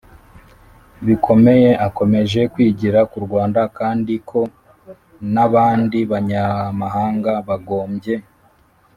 bikomeye akomeje kwigira ku Rwanda kandi ko n abandi banyamahanga bagombye